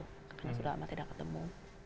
karena sudah lama tidak ketemu